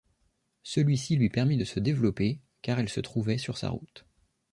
Celui-ci lui permit de se développer car elle se trouvait sur sa route.